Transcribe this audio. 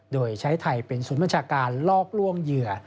โดยใช้ไทยเป็นศูนย์บัญชาการลอกล่วงเหยื่อ